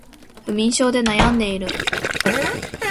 不眠症で悩んでいる